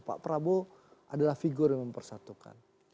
pak prabowo adalah figur yang mempersatukan